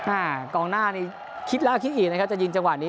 อ่ากองหน้านี่คิดแล้วคิดอีกนะครับจะยิงจังหวะนี้